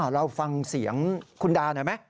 เราฟังเสียงคุณดาหน่อยไหม